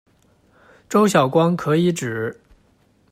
周晓光，可以指：